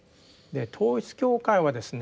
統一教会はですね